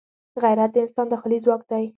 غیرت د انسان داخلي ځواک دی